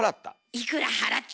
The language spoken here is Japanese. いくら払った？